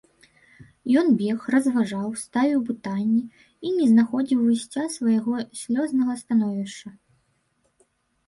Ён бег, разважаў, ставіў пытанні і не знаходзіў выйсця з свайго слёзнага становішча.